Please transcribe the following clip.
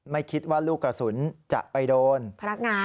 ไม่คิดว่าลูกกระสุนจะไปโดนพนักงาน